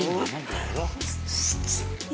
eh mama jauh